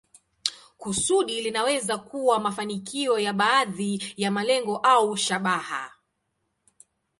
Kusudi linaweza kuwa mafanikio ya baadhi ya malengo au shabaha.